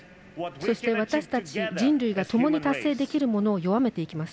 そして私たち人類がともに達成できるものを弱めていきます。